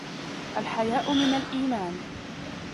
الْحَيَاءُ مِنْ الْإِيمَانِ.